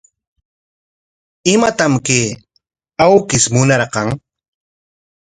¿Imatam chay awkish munarqan?